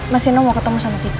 mas inno mau ketemu sama kita